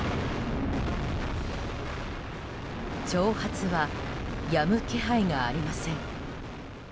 挑発はやむ気配がありません。